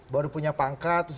baru punya pangkat